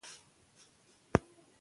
ناڅاپه د موبایل زنګ اوچت شو.